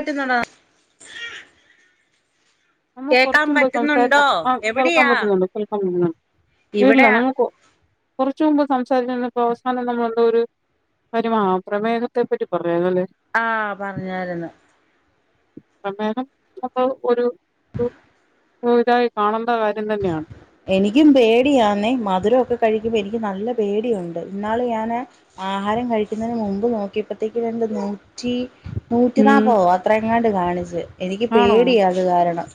എട്ട്നുണ നമുക്ക് കൊറച്ച് മുമ്പ്സംസാരിച്ച ആ കേൾക്കാൻ എവിടെയാ പറ്റുന്നുണ്ട്. കേൾക്കാൻ പറ്റുന്നുണ്ട് ഇല്ല ഇവിടെ നമുക്ക് കൊറച്ചുമുമ്പ് സംസാരി നിന്നപ്പോൾ അവസാനം നമ്മളെന്തോ ഒരു കാര്യമാ, പ്രമേഹത്തെ പറ്റി പറഞ്ഞു. ആ പറഞ്ഞായിരുന്നു. പ്രമേഹം അപ്പൊ ഒരു പുതിതായി കാണണം. എനിക്കും പേടിയാന്നേ മധുരമൊക്കെ കഴി.. എനിക്ക് നല്ല പേടിയുണ്ട്. ഇന്നാള് ഞാന് ആഹാരം കഴിക്കുന്നതിന് മുമ്പ് നോക്കിയപ്പത്തേക്കും എന്റെ നൂറ്റി.. ഉം നൂറ്റിനാൽപതോ അത്ര എങ്ങാണ്ട് കാണിച്ച് എനിക്ക് ആണോ പേടിയ അത് കാരണം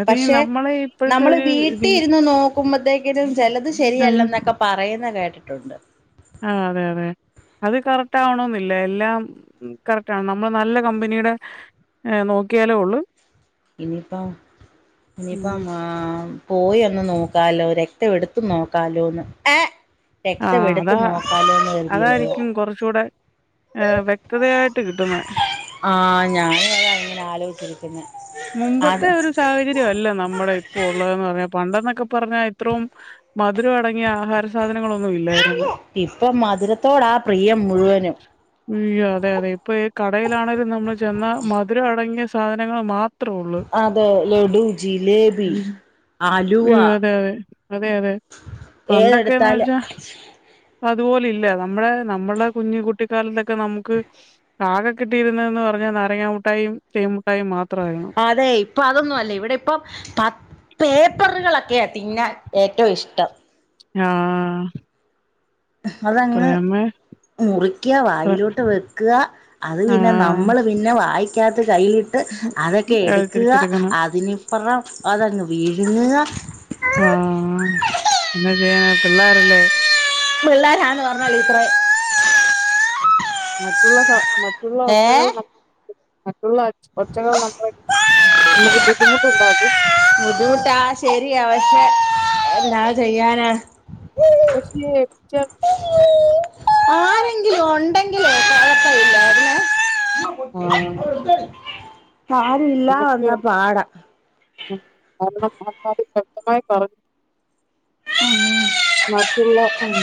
അത് ഈ പക്ഷേ.. നമ്മളെ ഇപ്പോഴത്തെ നമ്മള് ഒരു വീട്ടിൽ രീ ഇരുന്ന് നോ.. ആകുമ്പത്തേക്കിനും ചിലത് ഉം ശരിയല്ലെന്നൊക്കെ പറയുന്ന കേട്ടു. ഉണ്ട്. ആ.. അതെ അതെ അത് കറക്റ്റ് ആവണമെന്നില്ല എല്ലാം കറക്റ്റ് ആണ് നമ്മൾ നല്ല കമ്പനിയുടെ നോക്കിയാലേ ഉള്ളു. ഇനിപ്പം ഉം ഇനിയിപ്പം ആ പോയി ഒന്ന് നോക്കാലോ രക്.. രക്തം എടുത്ത്നോക്കാലോന്ന്, ഏ ആ.. രക്തം എടുത്ത് അതാ, നോക്കാലോന്ന് കരുതിയിരിക്കുവാ അതായിരിക്കും കുറച്ചുകൂടെ ഏ.. വ്യക്തതയായിട്ട് കിട്ടുന്നെ ആഹ് ഞാനും അതാ ഇങ്ങനെ ആലോചിച്ചിരിക്കുന്നെ അത് മുമ്പത്തെ ഒരു സാഹചര്യമല്ല നമ്മുടെ ഇപ്പൊ ഉള്ളതെന്ന്പറഞ്ഞാൽ പണ്ടെന്നൊക്കെ പറഞ്ഞാൽ ഇത്രയും മധുരം അടങ്ങിയ ആഹാരത്തിന്.. ഒന്നുമില്ലായിരുന്നു ഇപ്പം മധുരത്തോടാ പ്രിയം മുഴുവനും യ്യോ.. അതെ.. അതെ ഇപ്പൊ കടയിൽ ആണെങ്കിലും നമ്മൾ ചെന്നാൽ മധുരം അടങ്ങിയ സാധനം സാധനങ്ങൾ മാം.. അതെ ലഡു, ജിലേബി, ഉം. അലുവ അയ്യോ! അതെ, അതെ. അതെ, അതെ. പണ്ടൊക്കേന്ന് ഏതെടുത്താലും.. വെച്ചാ അതുപോലെ ഇല്ല. നമ്മുടെ, നമ്മളുടെ കുഞ്ഞ് കുട്ടിക്കാലത്തൊക്കെ നമുക്ക് ആകെ കിട്ടിയിരുന്നതെന്ന് പറഞ്ഞാൽ നാരങ്ങമിഠായിയും തേൻ മിഠായിയും മാത്രം. അതെ ഇപ്പം അതൊന്നും അല്ല ഇവിടെ പത്ത് ഇപ്പം പേപ്പറുകള് [inaudible] തിന്നാൻ ഏറ്റവും ഇഷ്ടം ആ.. അതങ്ങ് പ്രേമേ മുറിക്കുക, പ്ര വായിലോട്ട് വെക്കുക. അത് ആ! പിന്നെ നമ്മൾ പിന്നെ വായി.. ക [unintelligible] കയ്യിട്ട് അതൊക്കെ അത് എടുക്കുക തിരിച്ചെടുക്കണം. അതിന് ഇപ്പുറം അതങ്ങ് വീഴ് [unintelligible] ആഹ എന്നാ ചെയ്യണ പിള്ളോരല്ലേ പിള്ളോരന്ന് പറഞ്ഞളി മറ്റുള്ള സ മറ്റുള്ള ഒച്ചകൾ ഏഹ് ന ഒച്ചകൾ നമ്മ നമുക്ക് ബുദ്ധിമുട്ടുണ്ടാക്കും ബുദ്ധിമുട്ടാ ശരി പക്ഷെ എല്ലാ ചെയ്യാനാ പക്ഷ ച ആരെങ്കിലും ഉണ്ടെങ്കിലോ തഴത്തയില്ല അന്െ ആഹ് [inaudible] ആര ഇല്ലാ വന്ന പാട ഉ അ അം വ്യക്തമായി പറഞ്ഞു മറ്റുള്ള ഉം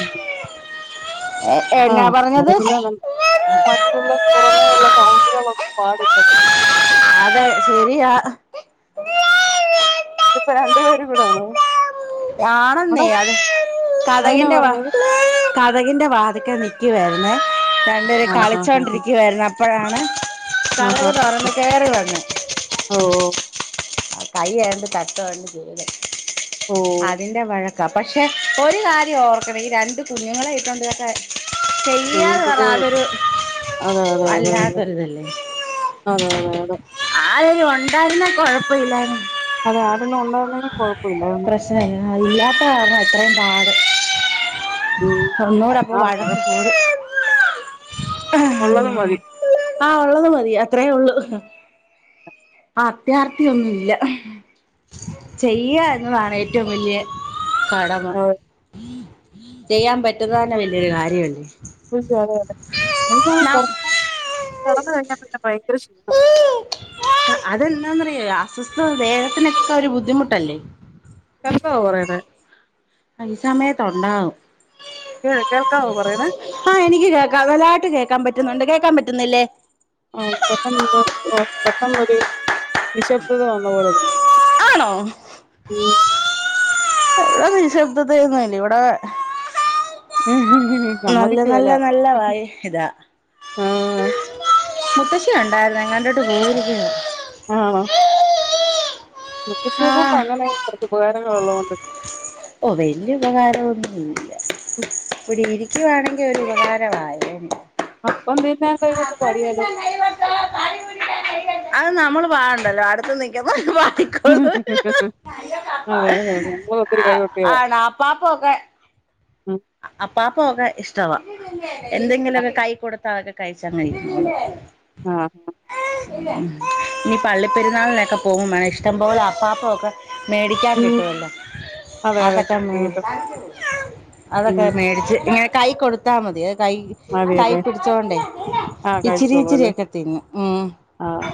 എന്നാ ആഹ് പറഞ്ഞത് സാരമില്ല മറ്റുള്ള പുറമേയുള്ള സൗണ്ടുകളൊന്നും പാടില്ല [unintelligible] അതെ ശരിയാ [unintelligible] ഇതിപ്പോ രണ്ടു പേരും കൂടാണോ അടാ ആണന്നേ അത് അതെന്നാ കതകിന്റെ വ പറഞ്ഞത് കതകിൻ്റെ വാതിക്കെ നിക്കുവാരിന്നെ രണ്ടര് ആഹ് ആഹ് ആഹ് കളിച്ചോണ്ടിരിക്കുവാരുന്നു അപ്പോഴാണ് ആഹ് കതക് ആഹ് തൊറന്ന് കേറി വന്ന് ഓഹ് ആ കൈ ഏതാണ്ട് തട്ടുവോ ഏതാണ്ട് ചെയ്യത് ഓഹ് അതിന്റെ വഴ പക്ഷെ ഒരു കാര്യം ഓർക്കണം ഈ രണ്ട് കുഞ്ഞുങ്ങളെയിട്ടോണ്ട് ഇതൊക്കെ ചെയ്യാന്ന് പറ ചെയ്യുന്നത് അതൊരു അതെ അതെ അതെ വല്ലാത്തൊരിതല്ലേ അതെ അതെ അതെ ആ ഉണ്ടായിരുന്നെ കൊഴ [unintelligible] [unintelligible] പിന്നെ ഉണ്ടായിരുന്നെ കൊഴപ്പമില്ലായിരുന്നു ആ ഇല്ലാത്ത കാരണവ ഇത്രയും പാട് ഉം ഒന്നുടെ അപ്പൊ ആഹ് വഴക്ക് കൂടും. ഉള്ളത് മതി ആഹ് ഉള്ളത് മതി അത്രയേ ഉള്ളു ആ അത്യാർത്തിയൊന്നില്ല ചെയ്യ എന്നതാണ് ഏറ്റവും വലിയ കടമ ചെയ്യാൻ പറ്റുന്ന തന്നെ വല്യൊരു കാര്യവല്ലേ അതെ അതെ എനിക്കാണേ [unintelligible] കെടന്ന് കഴിഞ്ഞാ പിന്നെ പൈ കൃഷ്ണ അതെന്താന്ന്റയാ അസ്വസ്ഥത ദേഹത്തിനൊക്കെ ഒരു ബുദ്ധിമുട്ടല്ലേ കേൾക്കാവോ പറയുന്നേ ആ ഈ സമയത്ത് ഒണ്ടാവും. കേൾക്കാവോ പറയുന്നേ ആഹ് എനിക്ക് കേക്കാം നല്ലായിട്ട് കേക്ക കേക്കാൻ പറ്റുന്നുണ്ട് കേക്കാൻ പറ്റുന്നില്ലേ ആ പെട്ടെന്നന്ന് ആഹ് പെട്ടെന്നൊരു നിശബ്ദത വന്ന പോലെ തോന്നി ആണോ [unintelligible] ഇവടെ നിശബ്ദതയൊന്നുല്ലാ ഇവടെ ഉം നല്ല നല്ല സമ്മതിക്കുവേല നല്ല വായി ഇതാ ആഹ് മുത്തശ്ശി ഉണ്ടായിരുന്നെ [unintelligible] പോയിരിക്കയാണ് ആഹ് ആഹ് [unintelligible] ആ ഉള്ളോണ്ട് ഓ വലയ ഉപകാരം ഒന്ന പിടിവിരി പിക്കുവാണെങ്കി ഒരു ഉപകാരവായേനേ [inaudible] അപ്പം തിന്നാൻ കൈകൊണ്ട് പാടിയാലോ അത് നമ്മൾ വാണ്ടല്ലോ അടുത്ത നക്കുമ്പ അതെ അതെ നമ്മൾ ഒത്തിരി കൈ ആണോ അപ്പാപ്പൊക്കെ ഉം അപ്പ പോകെ ഇഷ്ടവാ എന്തെങ്കിലുക്കെ കൈയ്യി കൊടുത്തതൊക്കെ കഴിച്ചങ്ങനെ ഇരി ആഹ ഇനി പള്ളിപ്പെെരുന്നാളിനൊക്കെ പോകുമ്പൾ വേണം ഇഷ്ടംപലെ അപ്പാപ്പക്കെ മേടിക്കാൻ ഉം കിട്ടുവല്ലോ അതെ അതെ അതൊക്കെ മേ കിട്ടും കിട്ടും അതൊക്കെ ഉം മേടിച്ച് ഇങ്ങനെ കൈ കൊടുത്താ മതിയെ കൈ കൈ മതിയല്ലേ പിടിച്ചോണ്ടേ ആഹ് ഇച്ചിരി കഴിച്ചോളൂ അല്ലേ ഇച്ചിരിയെക്കെ തിന്നും ഉം ആഹ്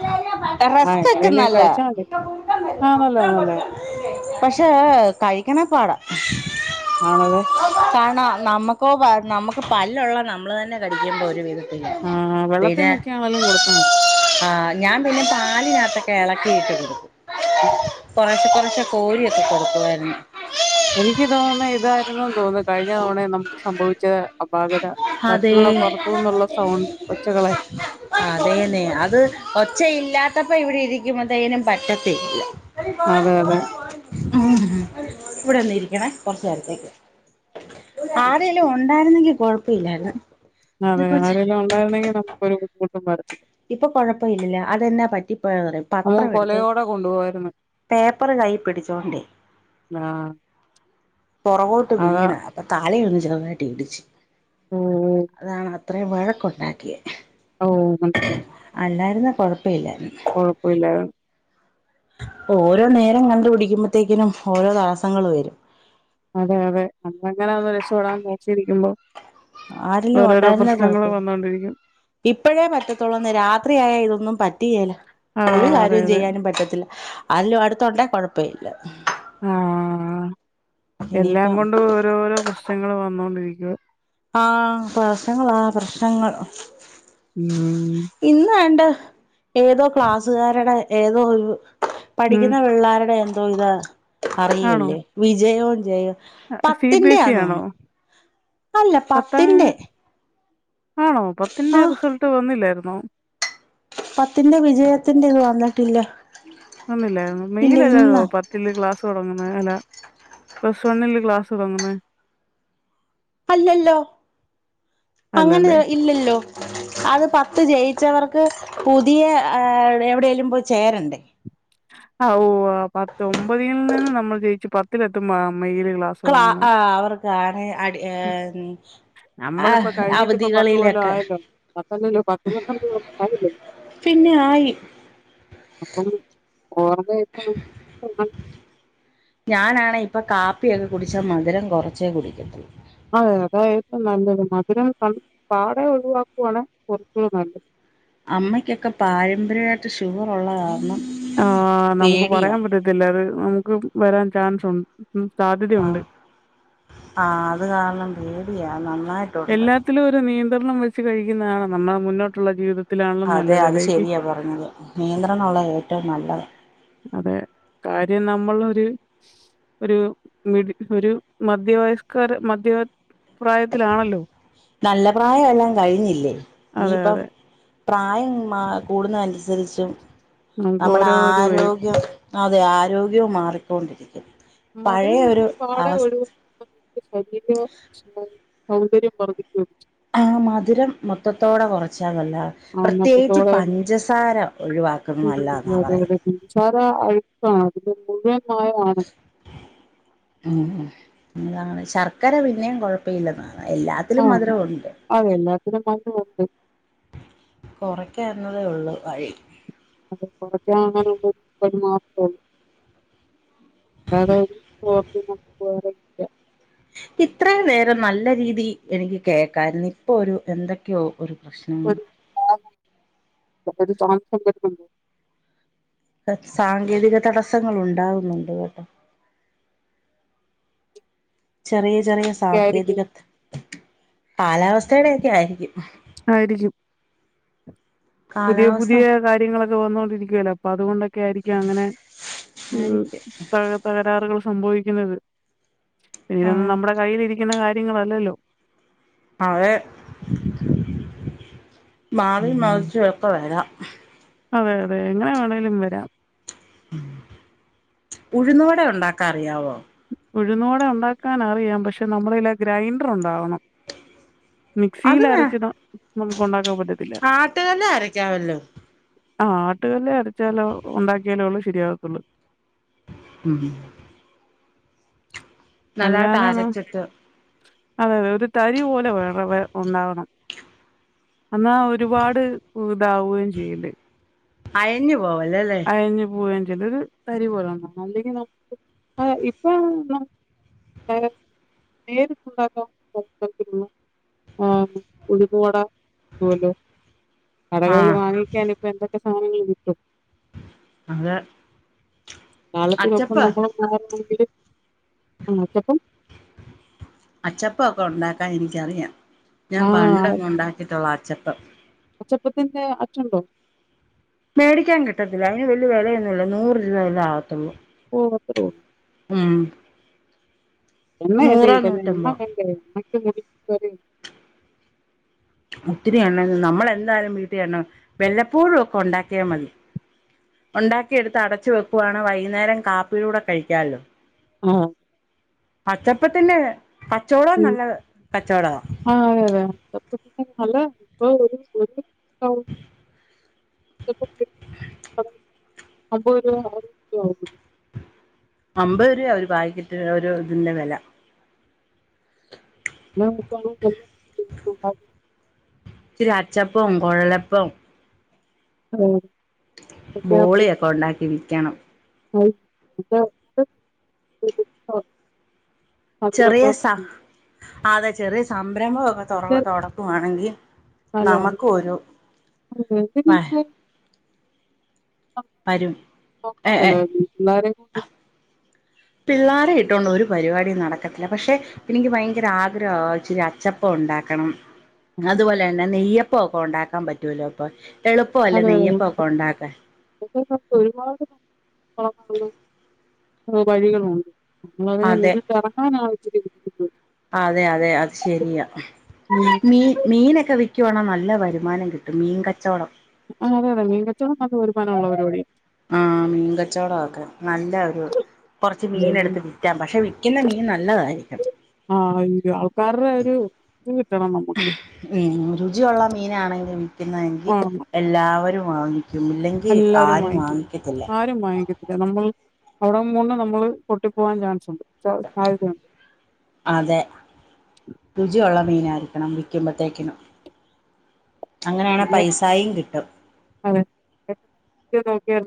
ആഹ് റെസ്ക്കെക്കെ എങ്ങനെലും നല്ലയാ കഴിച്ചാ മതി ആഹ് നല്ലതാ നല്ലതാ പശെ കഴിക്കണ പാടാ ആണതെ കാരണം നമുക്ക നമുക്ക് പല്ലുള്ള നമ്മൾ തന്നെ കടിക്കുമ്പോൾ ഒരു വിധം പി ആ വെള്ളത്തിൽ പിനെ മുക്കിയാണെലും കൊടുത്താ മതി. ആഹ ഞാൻ പിന്നെ പാലിനാത്തക്കെ എളക്കിയിട്ട് കൊടുക്കും ഉം. കൊറെശേ കൊറെ പക്ഷെ കോരി ഒക്കെ കൊടുക്കുവായിരുന്നു എനിക്ക് തോന്ന്നേ ഇതായിരുന്നൂന്ന് തോന്ന്ന്നു കഴിഞ്ഞ തവണയും നമുക്ക് സംഭവിച്ചേ അപാകത അതെ മറ്റുള്ള പുറത്തുന്നുള്ള സൗണ്ട് ഒച്ചകളെ പക്ഷെ ഇല്ലാത്തപ്പോ ഇവിടെ ഇരിക്കും അതേനും പറ്റത്തില്ല അതെ അതെ ഉ ഇവിടെന്ന ഇരിക്കണേ കൊറച്ച നേരത്തേക്ക് ആരെലും ഉണ്ടായിരുന്നെങ്കി കുഴപ്പ ഇില്ലല്ല അതെ ആരെല്ലാം ഉണ്ടായിരുന്നെങ്കിൽ നമു ബുദ്ധിമുട്ടും വരത് ഇപ്പം കൊഴപ്പയില്ല അതെന്നാ പറ്റിപ്പോയെന്ന് അറിയേ നമുക്ക് പത്രം എടുത്ത് കൊലയോടെ കൊണ്ടുപോവായിരുന്നു. പേപ്പറ് കൈ പിടിച്ചോണ്ടേ ആ പൊറകോട്ട് അതാ വീണ് അപ്പൊ തലയൊന്ന് ജവാട്ടി ഇടിച് ഓ അതാണ് അത്രയും വഴക്കുണ്ടാക്കിയ ഓ അല്ലായിരുന്ന പടുത്ത കൊഴപ്പയില്ലാ ഓരോ നേരം കണ്ടപടിക്കുമ്പോത്തേക്കിനും ഓരോ താസങ്ങള് വരും അതെ അതെ അ എങ്ങനെയന്ന് രക്ഷപ്പെടാൻ നേച്ചിരിക്കുമ്പോ ആരെല്ലും ഉണ്ടായിരുന്നേ കൊഴപ്പം വന്നോണ്ടിരിക്കും. ഇപ്പോഴേ പറ്റത്തുള്ളൂന്ന് രാത്രിയയാൽ ഇതൊന്നും പറ്റ റ്റില ആ ഒരു അതെ കാര്യം അതെ ചെയ്യാനും പറ്റത്തില്ല അല്ലും അടുത്തൊണ്ടേ കുഴപ്പമില്ല ആഹ എല്ലാം ഇനിയിപ്പം കൊണ്ട ഓരോഓരോ പ്രശ്നങ്ങള്ൾ വന്നോണ്ടിരിക്കും [inaudible] ആഹ പ്രലശങ്ങ ആ പ്രശ്നങ്ങൾ ഉം ഇന്ന് വേണ്ട ഏതോ ക്ലാസ്സുകാരുടെ ഏതോ ഒരു ഉം. പഠിക്കുന്ന പിള്ളേരുടെ എ ഇത ആണോ? അിയല്ലേ വിജയോട് ജയ അഹ് സി ബി എസ് ഇ ആണോ? പത്തിന്റെയാന്നോന്നുന്നു അല്ല പത്താം പത്തിന്റെ ആണോ പത്തിന്റെ ആഹ് റിസൾട്ട് വന്നില്ലായിരുന്നു പത്തിന്റെ വിജയത്തിന്റെ ഇത് വന്നിട്ടില്ല ഒന്നില്ല ഇല്ല മെയിയില അല്ലതോ ഇന്നാ പത്തില് ക്ലാസ് തുടങ്ങുന്ന അല്ല പസ് ഒണ്ണില് ഗക്ലാസ്ടങ്ങനെ അല്ലല്ലോ അങ്ങനെ അല്ലല്ലേ. ഇല്ലല്ലോ അത് പത്ത് ജയിച്ചവർക്ക് പുതിയ എവിടെേലും പോയി ചേരണ്ടേ ആ ഓ പത്ത് ഒമ്പതിൽ നിന്നന്ന് നമ്മൾ ജയിച്ചു പത്തിലെത്തുമ്പോ ക്ലാ ആ അവർക്കാണ് ഉം. അടിഹർ ആ നമ്മളിപ്പോ കഴിഞ്ഞിട്ടിപ്പോ കൊല്ലം അവധികളിലൊക്കെ ആയല്ലോ. കൊല്ലം ആയല്ലോ. പിന്നെ ആയി ഓറ ഞാനാണേ ഇപ്പം കാപ്പിയൊക്കെ കുടിച്ചാ മധുരം കൊറച്ചേ കുടിക്കത്തുള്ളൂ അതെ അതാ ഏറ്റവും നല്ലത് മധുരം കണ് പാടെ ഒഴിവാക്കുവാണ് കൊറച്ചുകൂടി നല്ലത് അമ്മക്കൊക്കെ പാരമ്പര്യമായിട്ട് ഷുഗർള്ളതാരണം ആഹ നമുക്ക് പറയാൻ പറ്റത്തില്ല അത് നമുക്ക് വരാൻ ചാൻസുണ്ട് ആഹ് ആഹ് അത് കാണണണ്ട് [unintelligible] നന്നായിട്ടുണ്ട് തരണം വെച്ച് കഴിക്കുന്നതാണ് നമ്മുടെ മുന്നോട്ടുള്ള ജീവിത അതെ അത് ശരിയാ പറഞ്ഞത് നിയന്ത്രണുള്ള ഏറ്റവും നല്ലത് നമ്മള് ഒര് ഒര് മിഡി ഒരു മധ്യവയസ്കാര് മധ്യാ നല്ല പ്രായം എല്ലാം കഴിഞ്ഞില്ലേ അതെ ഇനിയിപ്പം അതെ പ്രായം കൂടുന്നതനുസരിച്ച് [unintelligible] നമുക്ക് നമ്മടെ ഓരോ ഇത് വരും. ആരോഗ്യം അതെ ആരോഗ്യവും മാറി കോണ്ടിരിക്കും മധുരം നമ്മൾ പാട ഒഴ ശരീര സൗകര്യം വർദ്ധിച്ചുകു ആ മധുരം മൊത്തത്തോടെ കൊറച്ച് പല്ല പ്രത്തേകിച്ച് അന്നത്തത്തോടെ പഞ്ചസാര ഒഴിവാക്കുന്നത് നല്ലതാ എന്നാ പറയുന്നത് [unintelligible] ആ ഉം ആാണ് അതാണ് ശർക്കര പിന്നെയും കുഴപ്പയില്ലെന്ന ആഹ അത എല്ലാത്തിനും നന്നണ്ട് കൊറക്ക എന്നതേ ഉള്ളൂ വഴി അത് കൊറക്കാനാണങ്കി [unintelligible] മാത്രഒള്ളൂ അട നമുക്ക് [unintelligible] ഇത്രയും നേരം നല്ല രീതി എനിക്ക് കേക്കായിരുന്നു ഇപ്പൊ ഒരു എന്തൊക്കെയോ ഒരു ഒരു [unintelligible] [inaudible] സാങ്കേതിക തടസ്സങ്ങൾ ഉണ്ടാകുന്നുണ്ട് കേട്ടോ ചെറിയ ചെറിയ ഒക്കെ ആയിരിക്കും. സാങ്കേതികത് കാലാവസ്ഥയുടെയൊക്കെ ആയിരിക്കും ആയിരിക്കും പുതിയ കാലാവസ്ഥ പുതിയ കാര്യങ്ങളൊക്കെ വന്നോണ്ടിരിക്കുവല്ല അ അതുകൊണ്ടൊക്കെയിരിക്കും അങ്ങനെ ഉം ആയിരിക്കും തക തകരാറുകൾ സംഭവിക്കുന്നത് ആ ഇതൊന്നും നമ്മട കയ്യിലിരിക്കുന്നകാര്യ നിങ്ങളല്ലല്ലോ ആ മാറി ഉം. മാറിച്ചും എപ്പോ വരാം. അതെ അതെ എങ്ങനെ വേണേലും വരാം ഉഴുന്ന് വട ഉണ്ടാക്കാറിയാവോ ഉഴുന്നോടെ ഉണ്ടാക്കാൻ അറിയാം പക്ഷെ നമ്മളില്ല ഗ്രൈൻഡർ ഉണ്ടാവണം അത് മിക്സിയിൽ വേ അരച്ചി നമുക്ക് ഉണ്ടാക്കാൻ പറ്റത്തില്ല ആട്ടുകല്ലിൽ അരക്കാവല്ലോ ആഹ് ആട്ടുകല്ലേ അടച്ചാലോ ഉണ്ടാക്കിയാലോ ഉള്ളു ശരിയാവത്തുള്ളു ഉം നല്ലായിട്ട് അല്ലാതെ ന അരച്ചിട്ട് അതെ അതെ ഒരു തരി പോലെ വേറെ വ ഉണ്ടാവണം എന്നാ ഒരുപാട് ഇതാവുകയും ചെയ്യല് അയഞ്ഞു പോവല്ലല്ലേ ചിലരു തരി പോലെന്ന അല്ലെങ്കിൽ നമുക്ക് ഇപ്പഴ നേരിട്ട ഉണ്ടാക്കത്തിലുള്ള ആ ഉഴുവട പോലോ കടകളിൽ ആഹ് വാങ്ങിക്കൻ ഇപ്പൊ എന്തൊക്കെ ആട്ടും അതാ ത ഒ ന മ് അച്ചപ്പം അച്ചപ്പൊക്കെ ഉണ്ടാക്കാൻ എനിക്കറിയാം ഞാൻ ആഹ് പണ്ടൊന്നും ഉണ്ടാക്കി തൊള്ളാ അച്ചപ്പം അച്ചപ്പത്തിന്റെ അച്ചുണ്ടോ മേടിക്കാൻ കിട്ടത്തില്ല അതിന് വല്ിയ വിലയൊന്നുമല്ല നൂറ് രൂപ വില ആവത്തുള്ളൂ പുറത്ത് പോവോ ആഹ എന്ന എല്ല ഇതല്ല എന്ന വ എന്തായാലും വീട്ടണോ വെല്ലപ്പൂഴും ഒക്കെ ഉണ്ടാക്കിയാൽ മതി ഉണ്ടാക്കിയ എടുത്ത് അടച്ചു വെക്കുവാണ് വൈകുന്നേരം കാപ്പിില കൂടെ കഴിക്കാല്ലോ ആഹ് അച്ചപ്പത്തിന്നെ ഉ ആ അത അതെ ല്ല അ അപ്പം ഒര് [unintelligible] അമ്പത് രൂപ ഒരു പാക്കറ്റ് ഒരു ഇതിന്റെ വില [unintelligible] ഇരി അച്ചപ്പവും കുഴലപ്പവും ആം ബോളിയൊക്കെ ഉണ്ടാക്കി വി [unintelligible] [unintelligible] ചെറിയ സ [unintelligible] അതെ ചെറിയ സംരംഭം ഇത് [unintelligible] തുടക്കുവാണെങ്കിൽ അല്ല നമുക്ക ഒരു അത് എന്തെങ്കിലുമൊക്കെ വരും ഏ [unintelligible] പിള്ളോര ഇട്ടുകൊണ്ട് ഒരു പരിപാടി നടക്കത്തില്ല പക്ഷെ എനിക്ക് ഭയങ്കര ആഗ്രഹ ഇച്ചിരി അച്ചപ്പ ഉണ്ടാക്കണം അതുപോലെന്നെ പിെ നെയ്യപ്പ ഒക്കെ ഉണ്ടാക്കാൻ പറ്റൂലോ ഇപ്പൊ എളുപ്പ അല്ല നെയ്യപ്പ ഒക്കെ ഉണ്ടാക്കാ ന ഒരുപാട് വഴികളുണ്ട് അതെ [unintelligible] [unintelligible] അതെ അതെ അത് ശെരിയ ഉം. മീ മീനൊക്കെ വി ക്ക്യാണ നല്ല വരുമാനം കിട്ടും മീൻ കച്ചോടം ആ്തെ അതെ മീങ്ങ കച്ചോടം അത് വരുമാനമ ഉുള്ളവര കൂടി ആഹ മീൻകച്ചോടക്കെ നല്ല ഒരു കുറച്ച് മീന ഉം. എടുത്ത് വിറ്റാം പക്ഷെ വിൽക്കുന്ന മീൻ നല്ലതായിരിക്കണം ആഹ് അയ്യോ ആൾക്കാരുടെ ഒരു ഇത് കിട്ടണം നമുക്ക്. ഉം രുചിയുള്ള മീനാണെങ്കിലും [unintelligible] വാങ്ങണം എല്ലാവരും ആ ഇല്ലെങ്കിൽ ആരും വാങ്ങിക്കത്തില്ല പിന്നെ നമ്മൾ അവിടെ മുന്ന നമ്മൾ പൊട്ടി പോകാൻ ചാൻസ് ഉണ്ട് സ മീനരിക്കണം വിക്ക്പോത്തേക്കിനും അങ്ങനെയണ സമയ പൈസായയും കിട്ടും അതെ നോക്കിയാ